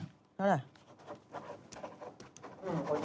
เท่าไหร่